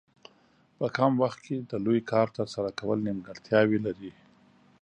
په کم وخت کې د لوی کار ترسره کول نیمګړتیاوې لري.